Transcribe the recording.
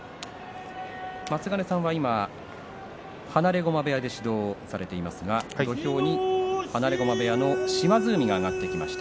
松ヶ根さんは今放駒部屋で指導をされていますが土俵に放駒部屋の島津海が上がってきました